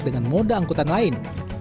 dengan mode angkutan lain